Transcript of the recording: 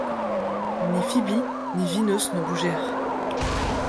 Ni Fibi, ni Vinos ne bougèrent.